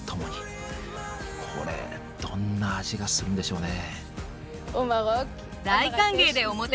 これどんな味がするんでしょうね。